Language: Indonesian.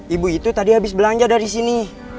ibu itu tadi habis belanja dari sini